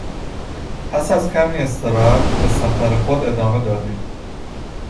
پس از کمی استراحت به سفر خود ادامه دادیم.